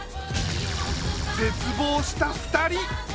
絶望した二人。